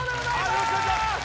よろしくお願いします